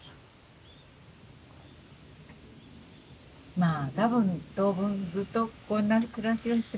まあ多分当分ずっとこんな暮らしをしてますから。